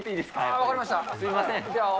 すみません。